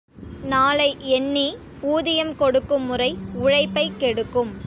நாளை எண்ணி ஊதியம் கொடுக்கும் முறை உழைப்பைக் கெடுக்கும்.